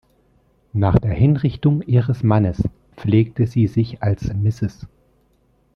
Nach der Hinrichtung ihres Mannes pflegte sie sich als Mrs.